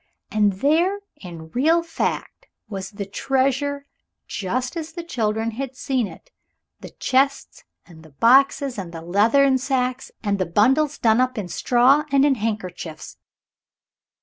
And there in real fact was the treasure just as the children had seen it the chests and the boxes and the leathern sacks and the bundles done up in straw and in handkerchiefs.